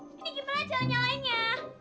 ini gimana jalan nyalainnya